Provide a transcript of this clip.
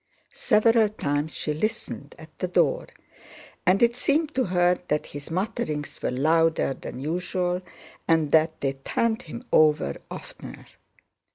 Several times she listened at the door, and it seemed to her that his mutterings were louder than usual and that they turned him over oftener.